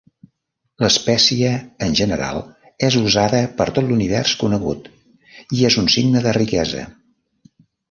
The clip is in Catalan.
L'espècia en general és usada per tot l'Univers Conegut, i és un signe de riquesa.